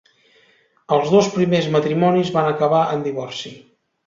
Els dos primers matrimonis van acabar en divorci.